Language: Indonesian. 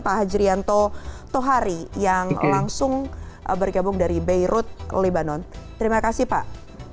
pak hajrianto tohari yang langsung bergabung dari beirut libanon terima kasih pak